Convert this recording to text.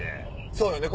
そうよね